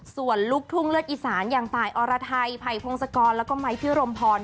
ส่วนลูกทุ่งเลือดอีสานอย่างตายอรไทยไผ่พงศกรแล้วก็ไม้พิรมพร